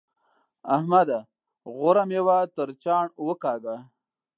احمده! غوره مېوه تر چاڼ وکاږه.